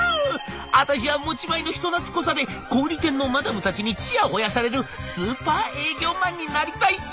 私は持ち前の人懐っこさで小売店のマダムたちにチヤホヤされるスーパー営業マンになりたいっす！」。